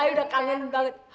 ayah udah kangen banget